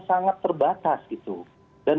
sangat terbatas gitu dan